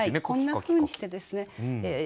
こんなふうにしてですね